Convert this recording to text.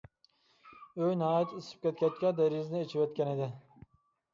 ئۆي ناھايىتى ئىسسىپ كەتكەچكە، دېرىزىنى ئېچىۋەتكەنىدى.